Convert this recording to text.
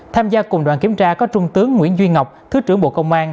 tham gia cùng đoàn kiểm tra có trung tướng nguyễn duy ngọc thứ trưởng bộ công an